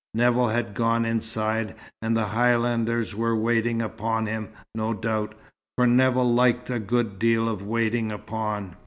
Nevill had gone inside, and the Highlanders were waiting upon him, no doubt for Nevill liked a good deal of waiting upon.